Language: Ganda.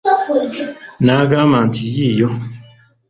N'agamba nti, yiiyo.